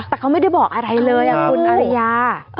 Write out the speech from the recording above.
แต่เขาไม่ได้บอกอะไรเลยคุณอารยา